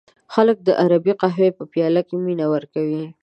خلک د عربی قهوې په پیاله کې مینه ورکوي.